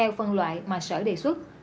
các phần loại mà sở đề xuất